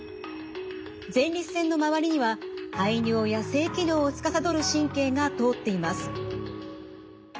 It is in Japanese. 前立腺の周りには排尿や性機能をつかさどる神経が通っています。